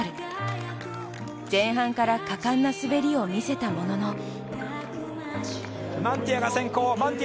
前半から果敢な滑りを見せたものの。